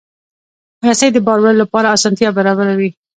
رسۍ د بار وړلو لپاره اسانتیا برابروي.